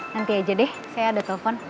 nanti aja deh saya ada telepon